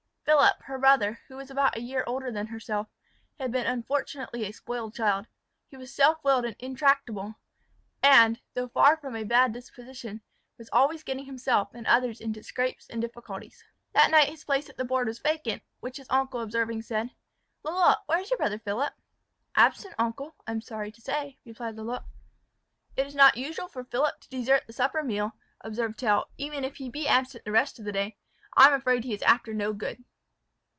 Philip, her brother, who was about a year older than herself, had been unfortunately a spoiled child. He was self willed and intractable, and, though far from a bad disposition, was always getting himself and others into scrapes and difficulties. That night his place at the board was vacant, which his uncle observing, said, "Lalotte, where is your brother Philip?" "Absent, uncle, I am sorry to say," replied Lalotte. "It is not usual for Philip to desert the supper meal," observed Tell, "even if he be absent the rest of the day. I am afraid he is after no good."